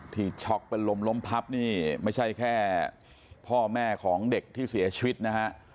ช็อกเป็นลมล้มพับนี่ไม่ใช่แค่พ่อแม่ของเด็กที่เสียชีวิตนะฮะ